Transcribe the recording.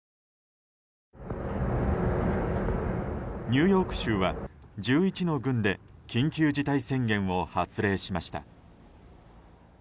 ニューヨーク州は１１の郡で緊急事態宣言を発令しました。